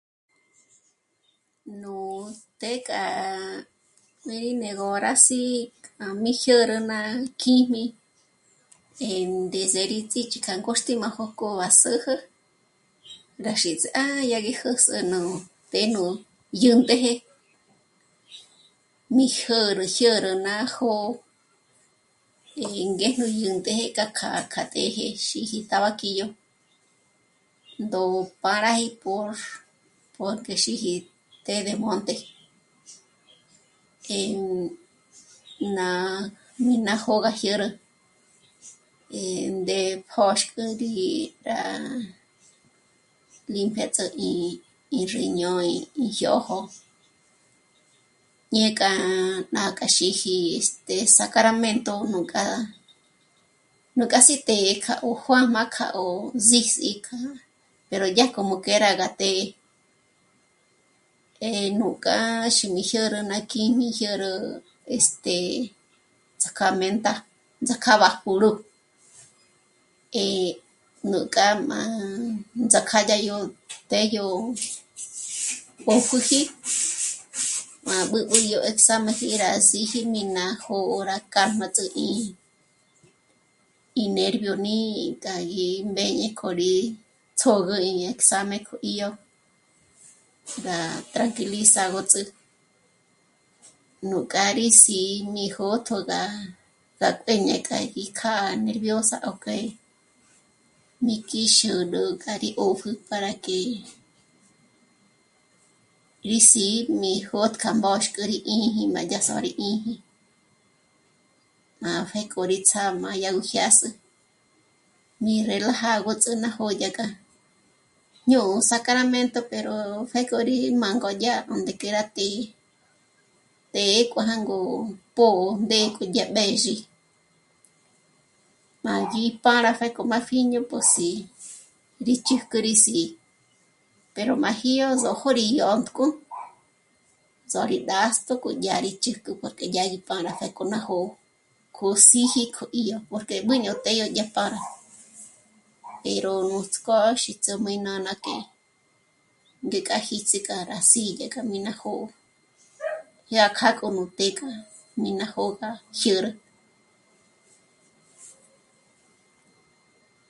"Nú té k'a mí né'egö rá sî'i k'a mí jyä̂rü ná kjím'i e ndéziri kích'i pjóxti ná jóko zá'ajü k'a xíts' já'a k'a sé'e nú té nù 'úntë'jë mí jyä̌rü, jyä̌rü ná jó'o y ngéjnu dyêntëjë ná kjâ'a k'a të́jë xíji tabaquillo ndó pâraji por pòjk'e xíji ""Té de Monte"". Eh..., ná, mí ná jó'o gá jyä̂rü, eh... ndé pjôxk'ü rí, rá... limpiats'üji í riñón, í jyô'jo ñé k'a... k'a ná xíji este... Sacramento..., nukjá, nukjá sí té 'ó juā̂̄jma kja 'ó'o síjs'i k'o pero dyájkjo k'e rá gá té, eh... núk'a xíji jyä̂rü ná kjíjm'i jyä̂rü, este..., ts'á k'a menta, ts'ák'a b'á jûru. Eh... nú kjájm'a ts'ák'a dyá yó tédyo pópjüji má b'ǚb'ü yó exameji rá ts'iji mí ná jó'o rá kjâ'a má ts'üji í nervio ní k'a gí mbéñe k'o rí ts'ôgü ñé'e exame 'í'o rá tranquilizagötsí nú k'â'a rí sí'i né jǒtjü tjǖ́ga rá mbéñe k'a rí kjâ'a nerviosa para que mí k'i xûrü k'a rí 'ö́pjü para que 'ö́pjü rá k'e, rí síjm'i jôt'ü k'a mbóxk'ü 'ī́jī y má dyá rá sôri 'ī́jī. Má pjék'o rí ts'á'm'a dyágu jyâs'ü mí relajadots'ü ná jó'o dyák'a jñú'u Sacramento pero, pjék'o rí mângo dyá pjék'o mé rá tì'i, té k'o jângo pó'o ndék'a dyá gú mbězhi, má dyí pâra pjék'o rá yá pjíño posí'i rí chǘjk'ü rí sí'i, pero má jyôndzo k'o dyǒk'o tsó'o rí d'ást'o k'o yá rí chjǘkj'ü dyá rí pâra pjék'o ná jó'o, k'o síji k'o í'o porque mbú ñó té pârgo, pero nuts'k'ó xíts'u mí nána k'e ngék'a jítsi k'a rá sí'i dyájkja mí ná jó'o. Dyà kjâkjü nú té rá mí ná jó'o gá jyä̂rü"